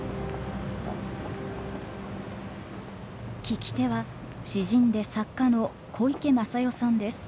聞き手は詩人で作家の小池昌代さんです。